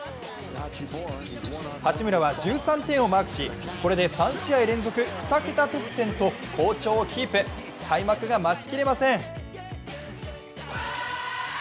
八村は、１３点をマークしこれで３試合連続２桁得点と、好調をキープ、開幕が待ちきれません。